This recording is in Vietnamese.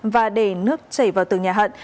và để nước chảy vào tường nhà hận